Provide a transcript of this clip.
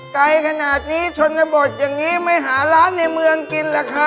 ไกลขนาดนี้ชนบทอย่างนี้ไม่หาร้านในเมืองกินล่ะครับ